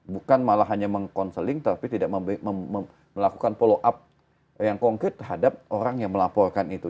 bukan malah hanya meng counseling tapi tidak melakukan follow up yang konkret terhadap orang yang melaporkan itu